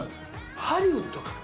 ハリウッドから。